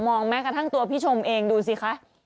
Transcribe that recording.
แม้กระทั่งตัวพี่ชมเองดูสิคะ